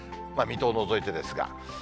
水戸を除いてですが。